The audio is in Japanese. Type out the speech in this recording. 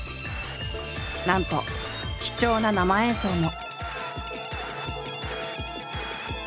なんと貴重な生演奏も。